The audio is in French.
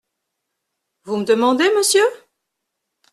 Vous me demandez, monsieur ?